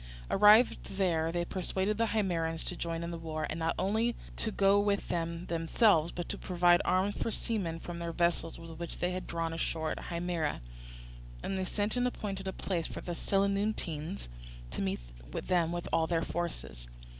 Arrived there, they persuaded the Himeraeans to join in the war, and not only to go with them themselves but to provide arms for the seamen from their vessels which they had drawn ashore at Himera; and they sent and appointed a place for the Selinuntines to meet them with all their forces.